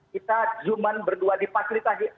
kita juman berdua dipasititasi